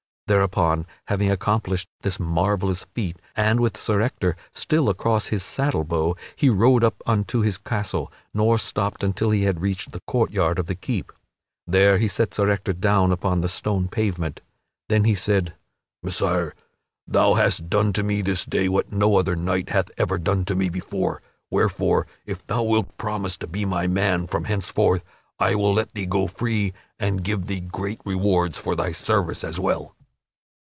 Thereupon, having accomplished this marvellous feat, and with Sir Ector still across his saddle bow, he rode up unto his castle, nor stopped until he had reached the court yard of the keep. There he set Sir Ector down upon the stone pavement. Then he said: "Messire, thou hast done to me this day what no other knight hath ever done to me before, wherefore, if thou wilt promise to be my man from henceforth, I will let thee go free and give thee great rewards for thy services as well."